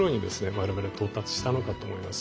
我々到達したのかと思います。